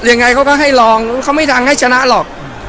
ยังไงเขาก็ให้ลองเขาไม่ดังให้ชนะหรอก